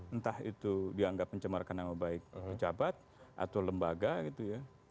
entah itu dianggap mencemarkan nama baik pejabat atau lembaga gitu ya